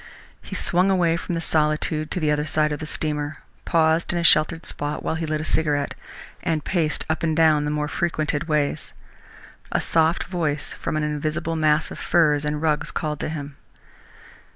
He swung away from the solitude to the other side of the steamer, paused in a sheltered spot while he lit a cigarette, and paced up and down the more frequented ways. A soft voice from an invisible mass of furs and rugs, called to him.